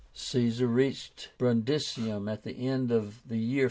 Caesar reached Brundisium at the end of the year 49.